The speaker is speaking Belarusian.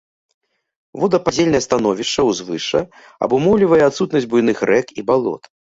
Водападзельнае становішча ўзвышша абумоўлівае адсутнасць буйных рэк і балот.